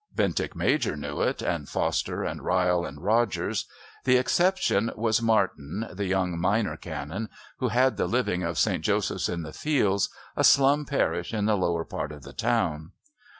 Bentinck Major knew it, and Foster and Ryle and Rogers. The exception was Martin, a young Minor Canon, who had the living of St. Joseph's in the Fields, a slum parish in the lower part of the town.